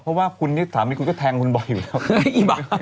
เพราะว่าคุณนี่สามีคุณก็แทงคุณบ่อยอยู่แล้ว